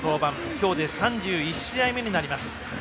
今日で３１試合目になります。